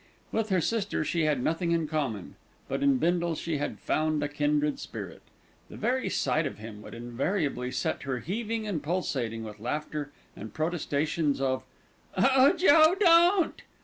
With her sister she had nothing in common; but in Bindle she had found a kindred spirit. The very sight of him would invariably set her heaving and pulsating with laughter and protestations of "Oh, Joe, don't!"